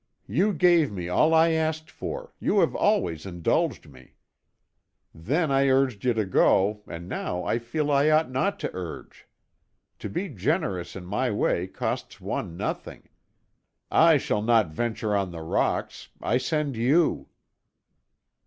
"You gave me all I asked for; you have always indulged me. Then I urged you to go, and now I feel I ought not to urge. To be generous in my way costs one nothing. I shall not venture on the rocks; I send you."